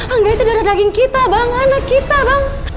angga itu darah daging kita bang anak kita bang